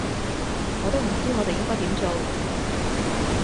我都唔知我哋應該點做